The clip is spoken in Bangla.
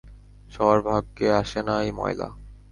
সবার ভাগ্যে আসে না এই ময়লা।